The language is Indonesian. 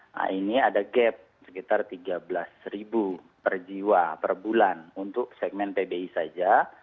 nah ini ada gap sekitar tiga belas ribu per jiwa per bulan untuk segmen pbi saja